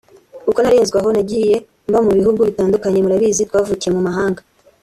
uko narezwe aho nagiye mba mu bihugu bitandukanye murabizi twavukiye mu mahanga